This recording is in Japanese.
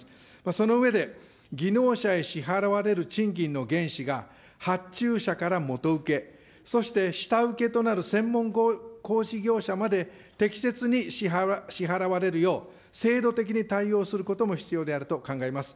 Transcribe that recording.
その上で、技能者へ支払われる賃金の原資が、発注者から元請け、そして下請けとなる専門工事業者まで適切に支払われるよう、制度的に対応することも必要であると考えます。